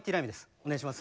お願いします。